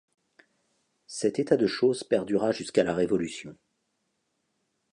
Cet état de choses perdura jusqu'à La Révolution.